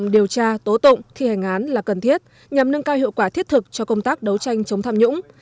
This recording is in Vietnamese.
điều tra tố tụng thi hành án là cần thiết nhằm nâng cao hiệu quả thiết thực cho công tác đấu tranh chống tham nhũng